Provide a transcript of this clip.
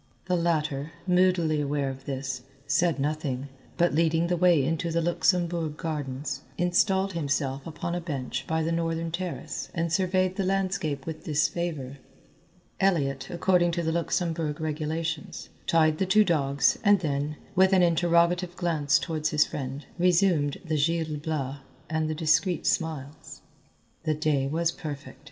The latter, moodily aware of this, said nothing, but leading the way into the Luxembourg Gardens installed himself upon a bench by the northern terrace and surveyed the landscape with disfavour. Elliott, according to the Luxembourg regulations, tied the two dogs and then, with an interrogative glance toward his friend, resumed the "Gil Blas" and the discreet smiles. The day was perfect.